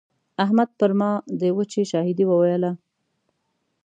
احمد پر ما د وچې شاهدي وويله.